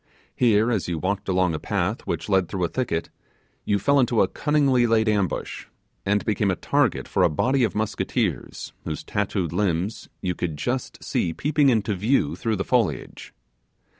Here, as you walked along a path which led through a thicket, you fell into a cunningly laid ambush, and became a target for a body of musketeers whose tattooed limbs you could just see peeping into view through the foliage.